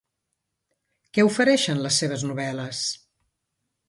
Què ofereixen les seves novel·les?